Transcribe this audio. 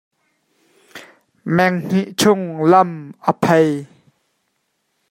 Meng hnih chung lam a phei.